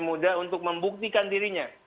muda untuk membuktikan dirinya